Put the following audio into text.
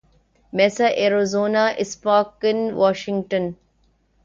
Misa Arizona Spokane Washington